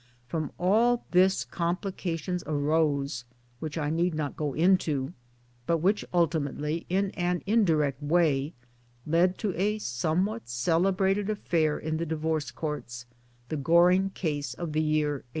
From all this complications arose, which I need not go into, but which ultimately in an indirect way led to a somewhat celebrated affair in the Divorce Courts the Goring Case of the year 1878.